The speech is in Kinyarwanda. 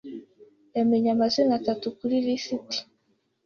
yamenye amazina atatu kuri lisiti.